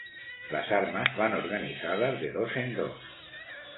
Las armas van organizadas de dos en dos.